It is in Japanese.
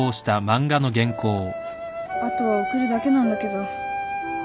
あとは送るだけなんだけど。